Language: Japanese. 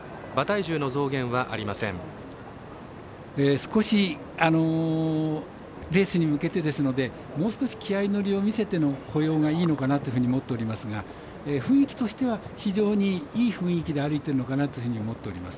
少しレースに向けてもう少し気合い乗りを見せての歩様がいいのかなと思っておりますが雰囲気としては非常にいい雰囲気で歩いているのかなというふうに思っております。